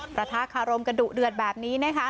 ประทะคารมกันดุเดือดแบบนี้นะคะ